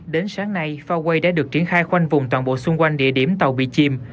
đến sáng nay phao quay đã được triển khai khoanh vùng toàn bộ xung quanh địa điểm tàu bị chìm